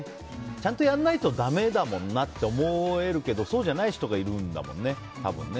ちゃんとやらないとだめだもんなって思えるけどそうじゃない人がいるんだもんね多分ね。